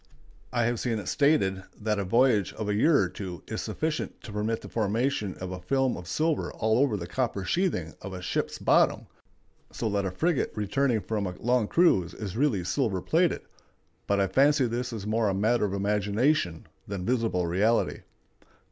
I have seen it stated that a voyage of a year or two is sufficient to permit the formation of a film of silver all over the copper sheathing of a ship's bottom, so that a frigate returning from a long cruise is really silver plated; but I fancy this is more a matter of imagination than visible reality.